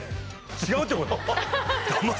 違うってこと？